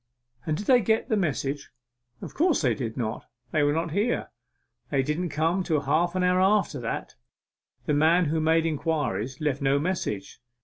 'And did they get the message?' 'Of course they did not they were not here they didn't come till half an hour after that. The man who made inquiries left no message.